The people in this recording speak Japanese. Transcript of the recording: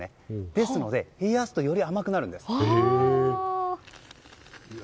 ですので冷やすとより甘くなるんです。